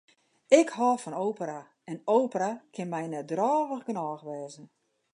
Ik hâld fan opera en opera kin my net drôvich genôch wêze.